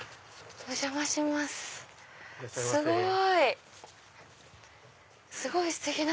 すごい！